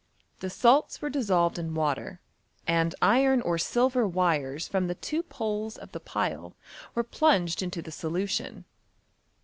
Tho salts were dissolved in water, and iron or silver wires from the two poles of the pile were plunged into the solution.